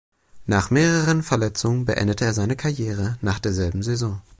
Nach mehreren Verletzungen beendete er seine Karriere nach derselben Saison.